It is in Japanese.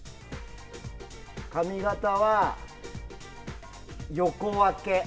髪形は横分け。